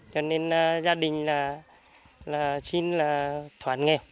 cho nên là gia đình là xin là thoát nghèo